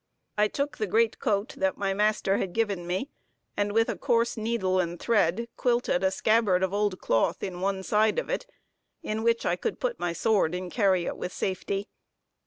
I took the great coat that my master had given me, and with a coarse needle and thread quilted a scabbard of old cloth in one side of it, in which I could put my sword and carry it with safety.